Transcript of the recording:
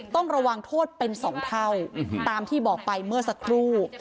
ต้องระวังโทษเป็น๒เท่าตามที่บอกไปเมื่อสักครู่